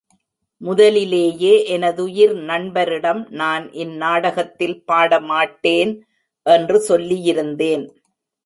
முதலிலேயே எனதுயிர் நண்பரிடம் நான் இந் நாடகத்தில் பாட மாட்டேன் என்று சொல்லியிருந்தேன்.